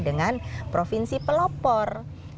dengan provinsi pelopor